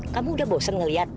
kamu udah bosan ngeliat